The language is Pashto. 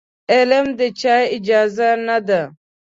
علم د چا اجاره نه ده.